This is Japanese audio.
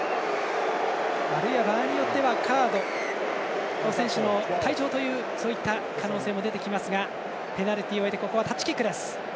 場合によってはカード選手の退場という可能性も出てきますがペナルティを得てここはタッチキック。